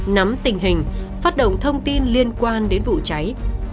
nắm tình hình phát động thông tin liên quan đến vụ cháy